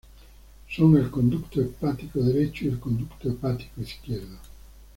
Son el conducto hepático derecho y el conducto hepático izquierdo.